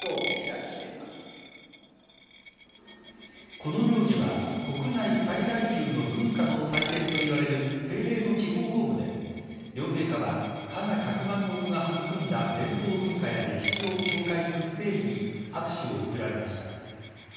この行事は国内最大級の文化の祭典といわれる、定例の地方公務で両陛下は加賀百万石が育んだ伝統文化や歴史を紹介するステージに、拍手を送られました。